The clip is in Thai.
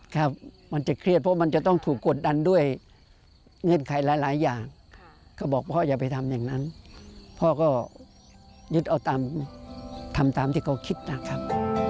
ครับมันจะเครียดเพราะมันจะต้องถูกกดดันด้วยเงื่อนไขหลายอย่างก็บอกพ่ออย่าไปทำอย่างนั้นพ่อก็ยึดเอาตามทำตามที่เขาคิดนะครับ